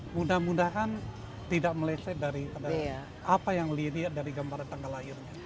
mudah mudahan tidak meleset dari apa yang dilihat dari gambar tanggal lahir